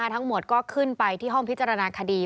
ทั้งหมดก็ขึ้นไปที่ห้องพิจารณาคดี